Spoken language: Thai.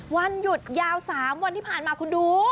วันหยุดยาว๓วันที่ผ่านมาคุณดู